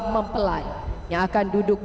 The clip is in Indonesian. mempelai yang akan duduk